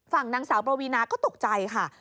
ฝั่งนางสาวปวีนาก็ตกใจค่ะ